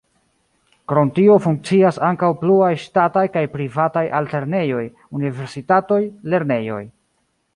Krom tio funkcias ankaŭ pluaj ŝtataj kaj privataj altlernejoj, universitatoj, lernejoj.